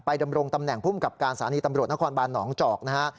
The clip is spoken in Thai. ดำรงตำแหน่งภูมิกับการสถานีตำรวจนครบานหนองจอกนะฮะ